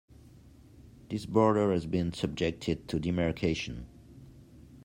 This border has been subjected to demarcation.